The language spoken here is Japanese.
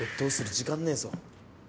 時間ねぇぞ。